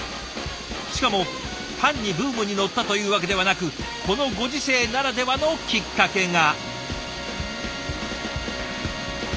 しかも単にブームに乗ったというわけではなくこのご時世ならではのきっかけが。